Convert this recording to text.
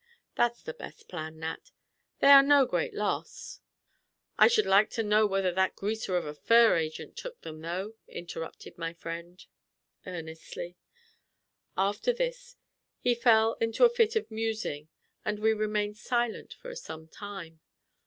"That's the best plan, Nat. They are no great loss." "I sh'd like to know whether that greaser or fur agent took them though," interrupted my friend, earnestly. After this he fell into a fit of musing, and we remained silent for some time.